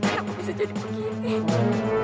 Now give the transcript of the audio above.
kenapa bisa jadi begini